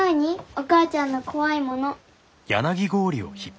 お母ちゃんの怖いもの。